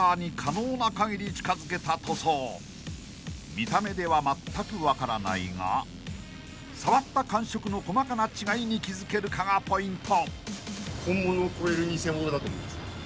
［見た目ではまったく分からないが触った感触の細かな違いに気付けるかがポイント］